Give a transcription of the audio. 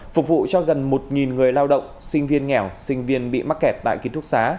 phục vụ cho gần một người lao động sinh viên nghèo sinh viên bị mắc kẹt tại ký thúc xá